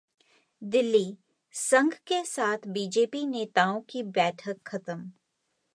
दिल्ली: संघ के साथ बीजेपी नेताओं की बैठक खत्म